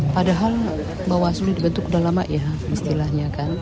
padahal bahwa sudah dibentuk udah lama ya istilahnya kan